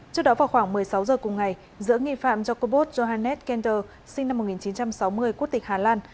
trước đó vào khoảng một mươi sáu h cùng ngày giữa nghi phạm jacobot johannes kenter sinh năm một nghìn chín trăm sáu mươi quốc tịch hà lan